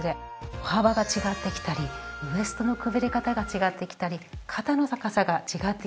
歩幅が違ってきたりウエストのくびれ方が違ってきたり肩の高さが違ってきたりします。